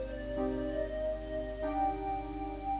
saya mau visi pusat tuan